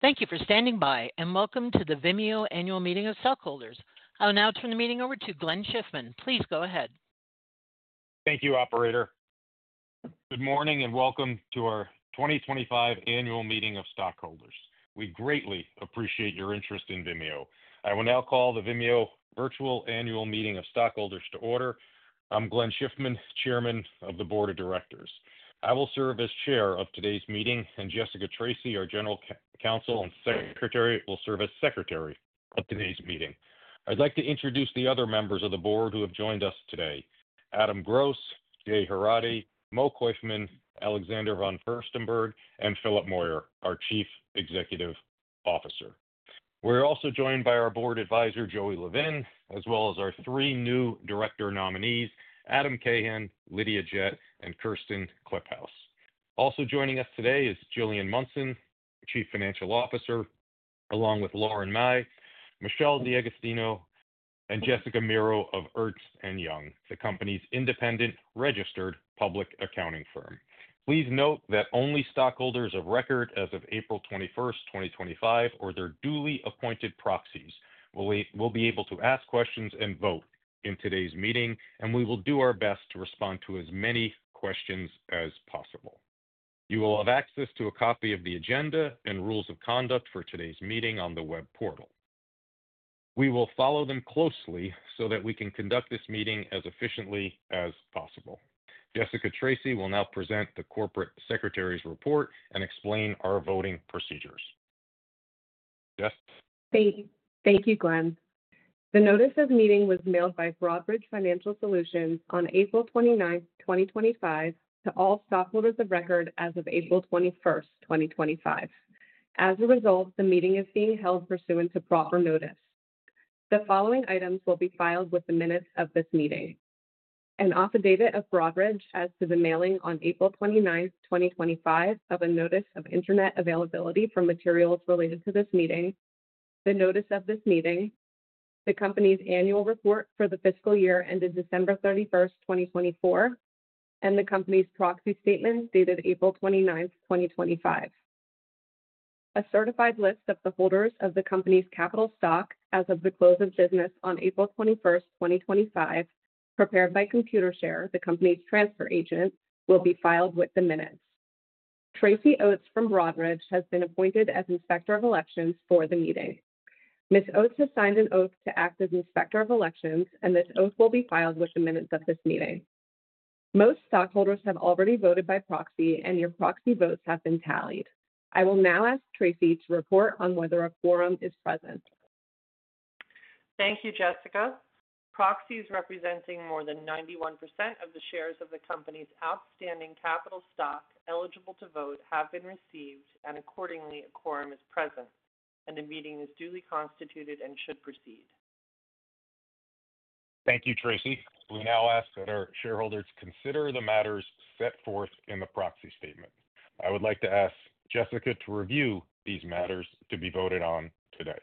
Thank you for standing by, and welcome to the Vimeo Annual Meeting of Stockholders. I'll now turn the meeting over to Glenn Schiffman. Please go ahead. Thank you, Operator. Good morning and welcome to our 2025 Annual Meeting of Stockholders. We greatly appreciate your interest in Vimeo. I will now call the Vimeo Virtual Annual Meeting of Stockholders to order. I'm Glenn Schiffman, Chairman of the Board of Directors. I will serve as Chair of today's meeting, and Jessica Tracy, our General Counsel and Secretary, will serve as Secretary of today's meeting. I'd like to introduce the other members of the board who have joined us today: Adam Gross, Jay Haradi, Mo Koiffman, Alexander von Furstenberg, and Philip Moyer, our Chief Executive Officer. We're also joined by our Board Advisor, Joey Levin, as well as our three new Director Nominees: Adam Cahan, Lydia Jett, and Kirsten Kliphaus. Also joining us today is Gillian Munson, Chief Financial Officer, along with Lauren Mai, Michelle DeAgostino, and Jessica Miro of Ernst & Young, the company's independent registered public accounting firm. Please note that only stockholders of record as of April 21st, 2025, or their duly appointed proxies will be able to ask questions and vote in today's meeting, and we will do our best to respond to as many questions as possible. You will have access to a copy of the agenda and rules of conduct for today's meeting on the web portal. We will follow them closely so that we can conduct this meeting as efficiently as possible. Jessica Tracy will now present the Corporate Secretary's Report and explain our voting procedures. Jess. Thank you, Glenn. The Notice of Meeting was mailed by Broadridge Financial Solutions on April 29th, 2025, to all stockholders of record as of April 21st, 2025. As a result, the meeting is being held pursuant to proper notice. The following items will be filed with the minutes of this meeting: an affidavit of Broadridge as to the mailing on April 29th, 2025, of a Notice of Internet Availability for materials related to this meeting, the Notice of this meeting, the company's Annual Report for the fiscal year ended December 31st, 2024, and the company's Proxy Statement dated April 29th, 2025. A certified list of the holders of the company's capital stock as of the close of business on April 21st, 2025, prepared by Computershare, the company's transfer agent, will be filed with the minutes. Tracy Oates from Broadridge has been appointed as Inspector of Elections for the meeting. Ms. Oates has signed an oath to act as Inspector of Elections, and this oath will be filed with the minutes of this meeting. Most stockholders have already voted by proxy, and your proxy votes have been tallied. I will now ask Tracy to report on whether a quorum is present. Thank you, Jessica. Proxies representing more than 91% of the shares of the company's outstanding capital stock eligible to vote have been received, and accordingly, a quorum is present, and the meeting is duly constituted and should proceed. Thank you, Tracy. We now ask that our shareholders consider the matters set forth in the Proxy Statement. I would like to ask Jessica to review these matters to be voted on today.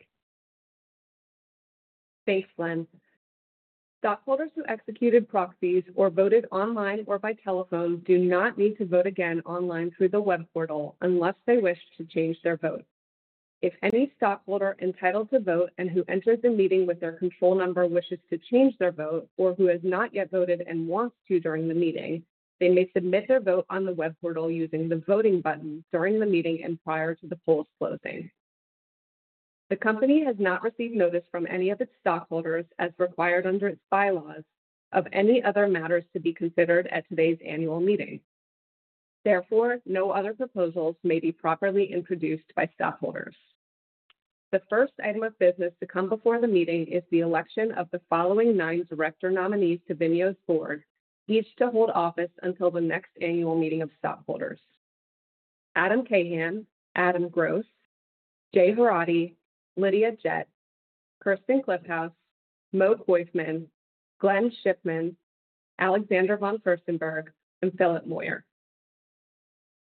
Thanks, Glenn. Stockholders who executed proxies or voted online or by telephone do not need to vote again online through the web portal unless they wish to change their vote. If any stockholder entitled to vote and who entered the meeting with their control number wishes to change their vote or who has not yet voted and wants to during the meeting, they may submit their vote on the web portal using the voting button during the meeting and prior to the polls closing. The company has not received notice from any of its stockholders, as required under its bylaws, of any other matters to be considered at today's Annual Meeting. Therefore, no other proposals may be properly introduced by stockholders. The first item of business to come before the meeting is the election of the following nine Director Nominees to Vimeo's Board, each to hold office until the next Annual Meeting of Stockholders: Adam Cahan, Adam Gross, Jay Haradi, Lydia Jett, Kirsten Kliphaus, Mo Koiffman, Glenn Schiffman, Alexander von Furstenberg, and Philip Moyer.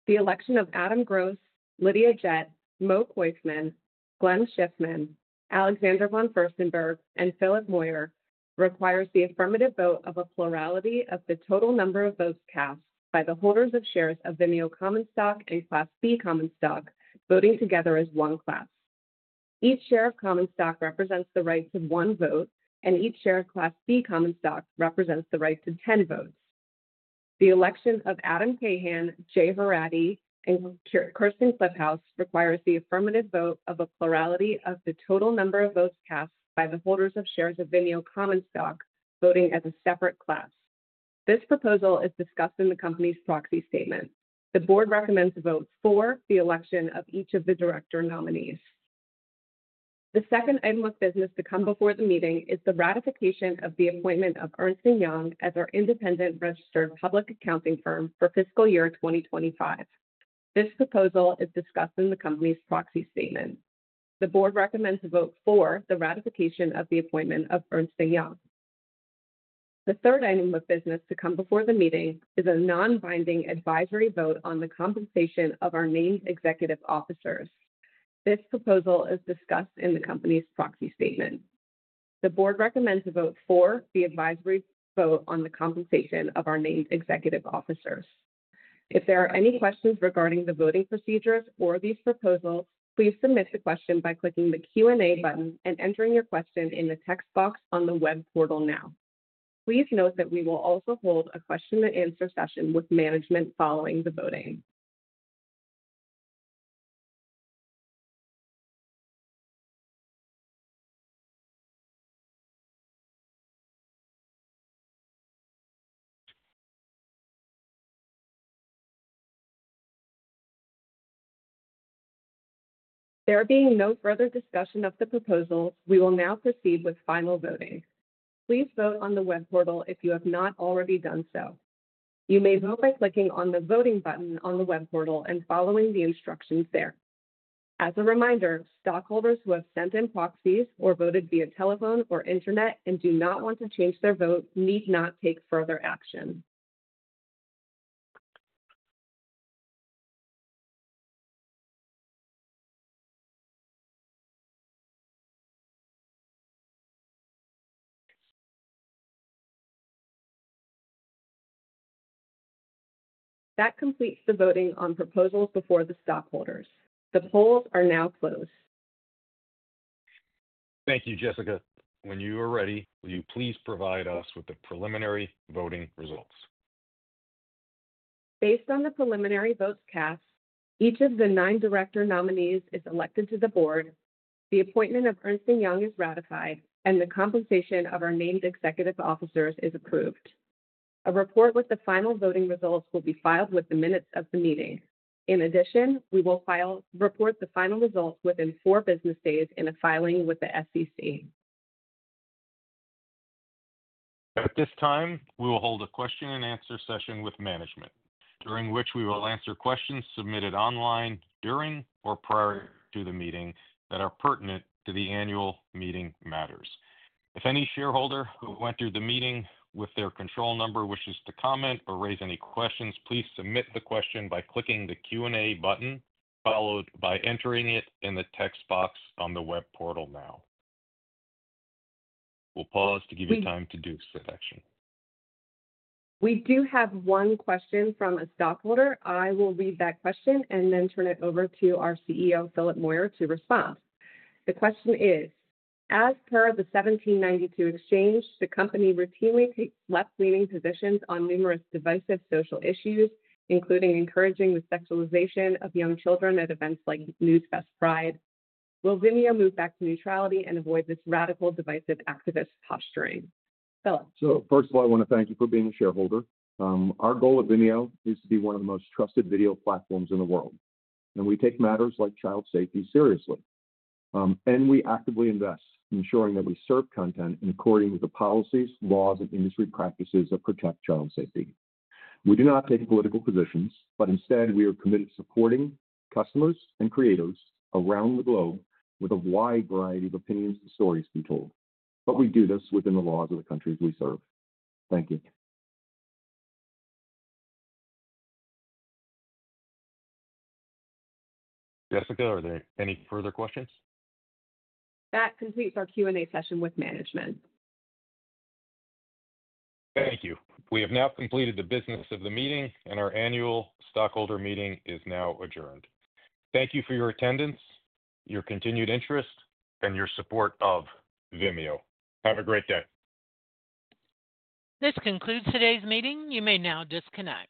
The election of Adam Gross, Lydia Jett, Mo Koiffman, Glenn Schiffman, Alexander von Furstenberg, and Philip Moyer requires the affirmative vote of a plurality of the total number of votes cast by the holders of shares of Vimeo Common Stock and Class B Common Stock voting together as one class. Each share of Common Stock represents the right to one vote, and each share of Class B Common Stock represents the right to 10 votes. The election of Adam Cahan, Jay Haradi, and Kirsten Kliphaus requires the affirmative vote of a plurality of the total number of votes cast by the holders of shares of Vimeo Common Stock voting as a separate class. This proposal is discussed in the company's Proxy Statement. The Board recommends a vote for the election of each of the Director Nominees. The second item of business to come before the meeting is the ratification of the appointment of Ernst & Young as our independent registered public accounting firm for fiscal year 2025. This proposal is discussed in the company's Proxy Statement. The Board recommends a vote for the ratification of the appointment of Ernst & Young. The third item of business to come before the meeting is a non-binding advisory vote on the compensation of our named executive officers. This proposal is discussed in the company's Proxy Statement. The Board recommends a vote for the advisory vote on the compensation of our named executive officers. If there are any questions regarding the voting procedures or these proposals, please submit the question by clicking the Q&A button and entering your question in the text box on the web portal now. Please note that we will also hold a question-and-answer session with management following the voting. There being no further discussion of the proposals, we will now proceed with final voting. Please vote on the web portal if you have not already done so. You may vote by clicking on the voting button on the web portal and following the instructions there. As a reminder, stockholders who have sent in proxies or voted via telephone or internet and do not want to change their vote need not take further action. That completes the voting on proposals before the stockholders. The polls are now closed. Thank you, Jessica. When you are ready, will you please provide us with the preliminary voting results? Based on the preliminary votes cast, each of the nine Director Nominees is elected to the board, the appointment of Ernst & Young is ratified, and the compensation of our named executive officers is approved. A report with the final voting results will be filed with the minutes of the meeting. In addition, we will report the final results within four business days in a filing with the SEC. At this time, we will hold a question-and-answer session with management, during which we will answer questions submitted online during or prior to the meeting that are pertinent to the Annual Meeting matters. If any shareholder who went through the meeting with their control number wishes to comment or raise any questions, please submit the question by clicking the Q&A button followed by entering it in the text box on the web portal now. We'll pause to give you time to do such action. We do have one question from a stockholder. I will read that question and then turn it over to our CEO, Philip Moyer, to respond. The question is: As per the 1792 Exchange, the company routinely takes left-leaning positions on numerous divisive social issues, including encouraging the sexualization of young children at events like News Fest Pride. Will Vimeo move back to neutrality and avoid this radical divisive activist posturing? Philip. First of all, I want to thank you for being a shareholder. Our goal at Vimeo is to be one of the most trusted video platforms in the world, and we take matters like child safety seriously. We actively invest in ensuring that we serve content in accordance with the policies, laws, and industry practices that protect child safety. We do not take political positions, but instead, we are committed to supporting customers and creators around the globe with a wide variety of opinions and stories to be told. We do this within the laws of the countries we serve. Thank you. Jessica, are there any further questions? That completes our Q&A session with management. Thank you. We have now completed the business of the meeting, and our Annual Stockholder Meeting is now adjourned. Thank you for your attendance, your continued interest, and your support of Vimeo. Have a great day. This concludes today's meeting. You may now disconnect.